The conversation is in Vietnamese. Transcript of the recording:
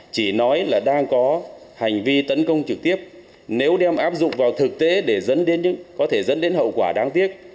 chỉ nói là đang có hành vi tấn công trực tiếp nếu đem áp dụng vào thực tế để dẫn đến có thể dẫn đến hậu quả đáng tiếc